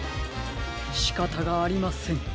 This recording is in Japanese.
しかたがありません。